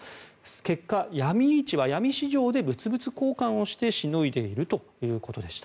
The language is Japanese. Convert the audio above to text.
結果、ヤミ市場で物々交換をしてしのいでいるということでした。